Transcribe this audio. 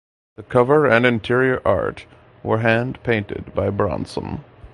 The cover and interior art were hand painted by Bronson.